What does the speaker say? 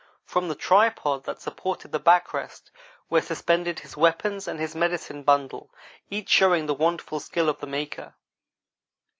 From the tripod that supported the back rest were suspended his weapons and his medicine bundle, each showing the wonderful skill of the maker.